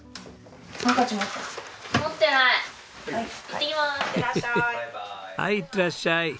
はい。いってらっしゃい。